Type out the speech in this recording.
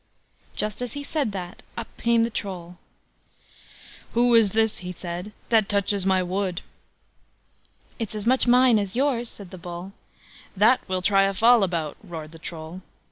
Just as he said that, up came the Troll: "Who is this", he said, "that touches my wood?" "It's as much mine as yours", said the Bull. "That we'll try a fall about", roared the Troll.